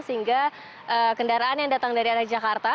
sehingga kendaraan yang datang dari arah jakarta